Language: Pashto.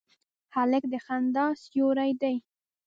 هلک د خندا سیوری دی.